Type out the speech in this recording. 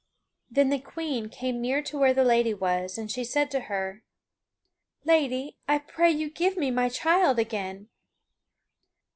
Then the Queen came near to where the lady was, and she said to her, "Lady, I pray you give me my child again!"